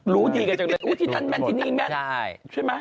รู้ดีกันจากไหนหึยที่เท้ามันชิที่นี้อีกแม่นน่ะใช่ไหม